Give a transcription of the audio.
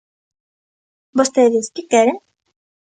Vostedes ¿que queren?